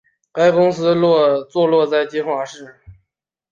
该公司坐落在金华市。